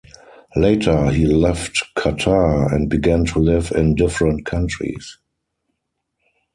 Later he left Qatar and began to live in different countries.